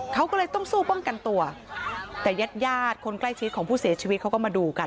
เขาก็เลยต้องสู้ป้องกันตัวแต่ญาติญาติคนใกล้ชิดของผู้เสียชีวิตเขาก็มาดูกัน